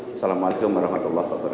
assalamu'alaikum warahmatullahi wabarakatuh